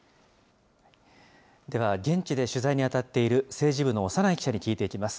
では、現地で取材に当たっている、政治部の長内記者に聞いていきます。